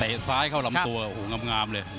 เตะซ้ายเข้าลำตัวหงามเลย